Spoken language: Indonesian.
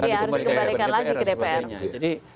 ya harus dikembalikan lagi ke dpr nya